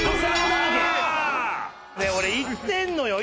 俺行ってんのよ。